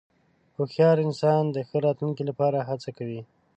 هوښیار انسان د ښه راتلونکې لپاره هڅه کوي.